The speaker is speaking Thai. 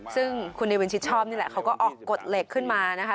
ซึ่งคุณเนวินชิดชอบนี่แหละเขาก็ออกกฎเหล็กขึ้นมานะคะ